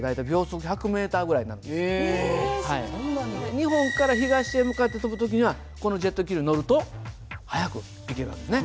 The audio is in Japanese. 日本から東へ向かって飛ぶ時にはこのジェット気流に乗ると早く行ける訳ですね。